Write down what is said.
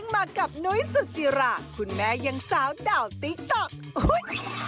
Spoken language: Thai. มากับนุ้ยสุจิราคุณแม่ยังสาวดาวติ๊กต๊อกอุ้ย